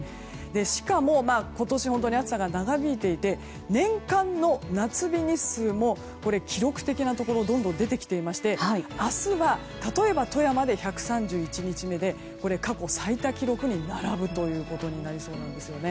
しかも、今年本当に暑さが長引いていて年間の夏日日数も記録的なところがどんどん出てきていまして明日は例えば富山で１３１日目で過去最多記録に並ぶことになりそうなんです。